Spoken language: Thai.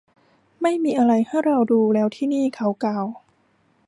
ไม่มีอะไรให้เราดูแล้วที่นี่ เขากล่าว